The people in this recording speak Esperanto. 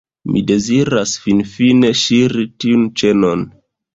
Mi deziras finfine ŝiri tiun ĉenon.